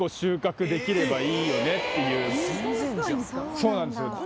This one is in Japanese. そうなんですよ。